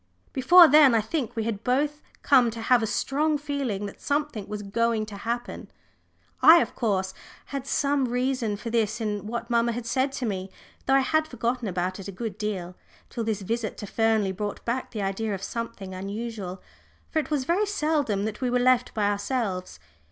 Before then I think we had both come to have a strong feeling that something was going to happen. I, of course, had some reason for this in what mamma had said to me, though I had forgotten about it a good deal, till this visit to Fernley brought back the idea of something unusual. For it was very seldom that we were left by ourselves.